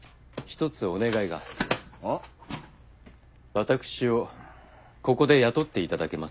私をここで雇っていただけませんか？